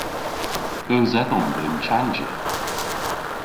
Eus edhom dhyn chanjya?